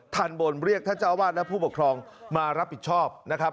ทันบนเรียกท่านเจ้าวาดและผู้ปกครองมารับผิดชอบนะครับ